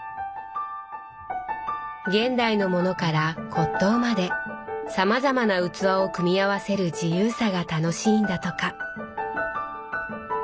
現代のものから骨とうまでさまざまな器を組み合わせる自由さが楽しいんだとか。